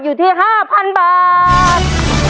อยู่ที่๕๐๐๐บาท